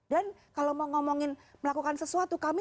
dan kalau mau ngomongin melakukan sesuatu